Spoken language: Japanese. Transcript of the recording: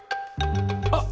あっ！